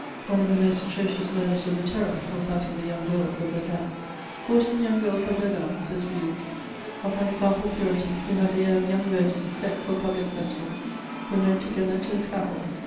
One of the most atrocious murders of the Terror was that of the young girls of Verdun. "Fourteen young girls of Verdun," says Riouffe, "of unexampled purity, who had the air of young virgins decked for a public festival, were led together to the scaffold.